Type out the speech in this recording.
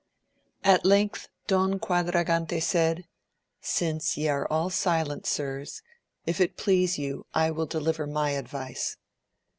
At length Don Quadragante said. Since ye are all silent sirs, if it please you I will deliver my advice.